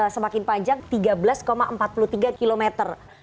semakin panjang tiga belas empat puluh tiga kilometer